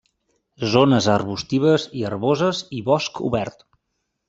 Zones arbustives i herboses i bosc obert.